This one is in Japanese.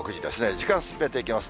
時間進めていきます。